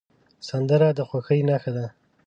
سندره د خوښۍ نښه ده